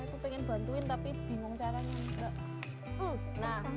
saya tuh pengen bantuin tapi bingung caranya